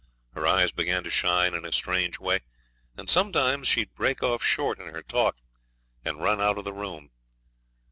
Her eyes began to shine in a strange way, and sometimes she'd break off short in her talk and run out of the room.